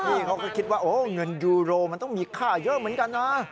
นี่เขาก็คิดว่าโอ้เงินยูโรมันต้องมีค่าเยอะเหมือนกันนะ